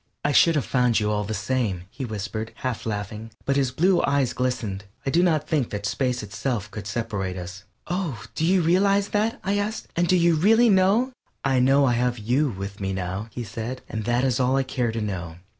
"I should have found you all the same," he whispered, half laughing, but his blue eyes glistened. "I do not think that space itself could separate us." "Oh, do you realize that?" I asked, "and do you really know?" "I know I have you with me now," he said, "and that is all I care to know."